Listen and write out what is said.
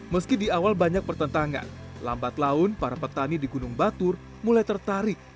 meski di awal banyak pertentangan lambat laun para petani di gunung batur mulai tertarik